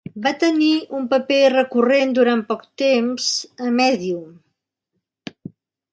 Va tenir un paper recurrent durant poc temps a "Medium".